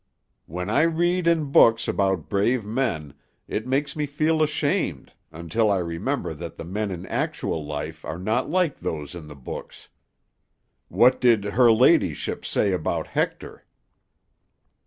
When I read in books about brave men, it makes me feel ashamed, until I remember that the men in actual life are not like those in the books. What did Her Ladyship say about Hector?"